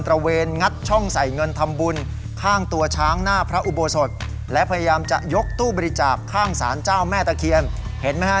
ระเวนงัดช่องใส่เงินทำบุญข้างตัวช้างหน้าพระอุโบสถและพยายามจะยกตู้บริจาคข้างสารเจ้าแม่ตะเคียนเห็นไหมฮะ